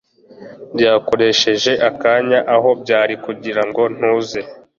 Byakoresheje akanya aho byari kugirango ntuze